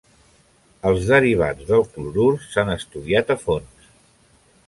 Els derivats del clorur s'han estudiat a fons.